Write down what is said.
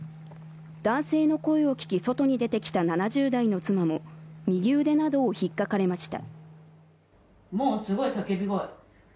男性の声を聞き外に出てきた７０代の妻も右腕などをひっかかれました。